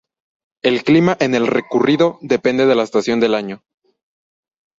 El clima en el recurrido depende de la estación del año.